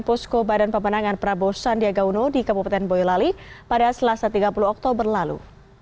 posko badan pemenangan prabowo sandiaga uno di kabupaten boyolali pada selasa tiga puluh oktober lalu